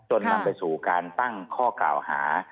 นำไปสู่การตั้งข้อกล่าวหา